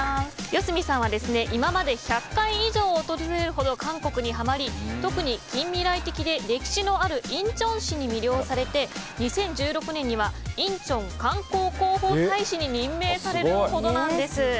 四角さんは今まで１００回以上訪れるほど韓国にハマり特に近未来的で歴史のあるインチョン市に魅了されて２０１６年にはインチョン観光広報大使に任命されるほどなんです。